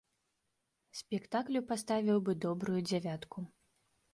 Спектаклю паставіў бы добрую дзявятку.